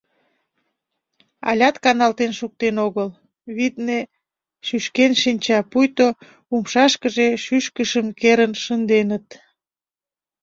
Алят каналтен шуктен огыл, витне, шӱшкен шинча, пуйто умшашкыже шӱшкышым керын шынденыт.